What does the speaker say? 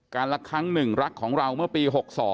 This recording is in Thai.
รักครั้งหนึ่งรักของเราเมื่อปี๖๒